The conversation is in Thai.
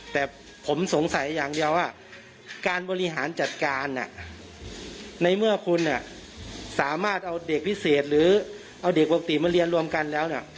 แต่ผมสงสัยอย่างเดียวว่าการบริหารจัดการในเมื่อคุณสามารถเอาเด็กพิเศษหรือเอาเด็กปกติมาเรียนรวมกันแล้วเนี่ย